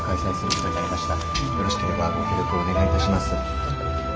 よろしければご協力をお願いいたします。